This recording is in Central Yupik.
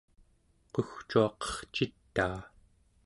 qugcuaqercitaa